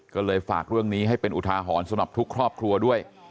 ก็เลยฝากเรื่องนี้ให้เป็นอุทาหรณ์สำหรับทุกครอบครัวด้วย